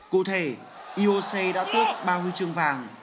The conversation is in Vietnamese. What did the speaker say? cụ thể ioc đã tước ba huy chương vàng